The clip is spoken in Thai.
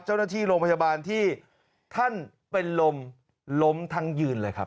เจ้าหน้าที่โรงพยาบาลที่ท่านเป็นลมล้มทั้งยืนเลยครับ